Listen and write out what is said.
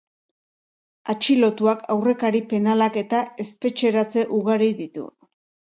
Atxilotuak aurrekari penalak eta espetxeratze ugari ditu.